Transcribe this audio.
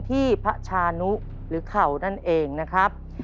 ที่พระชานุหรือเข่านั่นเองนะครับ